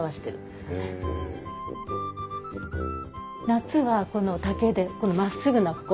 夏はこの竹でこの真っすぐな心。